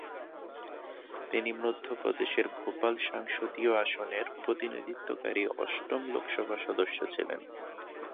তিনি মধ্য প্রদেশের ভোপাল সংসদীয় আসনের প্রতিনিধিত্বকারী অষ্টম লোকসভার সদস্য ছিলেন।